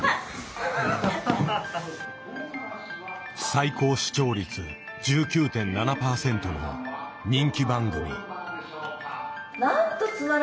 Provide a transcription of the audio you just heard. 最高視聴率１９．７％の人気番組。